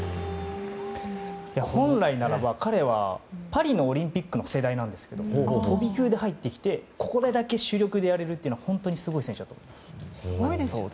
本来ならば彼はパリのオリンピックの世代なんですけど飛び級で入ってきてここで主力でやれるというのは本当にすごい選手だと思います。